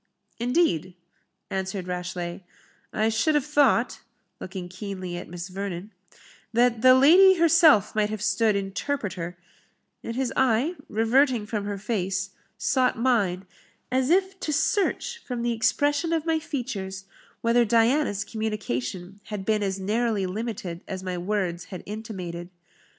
"Indeed?" answered Rashleigh; "I should have thought" (looking keenly at Miss Vernon) "that the lady herself might have stood interpreter;" and his eye, reverting from her face, sought mine, as if to search, from the expression of my features, whether Diana's communication had been as narrowly limited as my words had intimated.